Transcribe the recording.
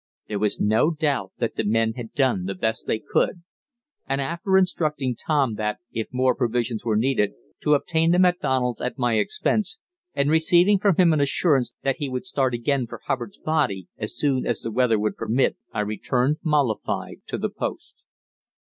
There was no doubt that the men had done the best they could, and after instructing Tom that, if more provisions were needed, to obtain them at Donald's at my expense, and receiving from him an assurance that he would again start for Hubbard's body as soon as the weather would permit, I returned, mollified, to the post.